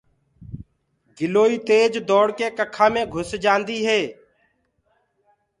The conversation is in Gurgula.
گِلوئي تيج دوڙ ڪي ڪکآ مي گھُس جآنديٚ هي۔